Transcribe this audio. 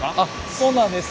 そうなんです。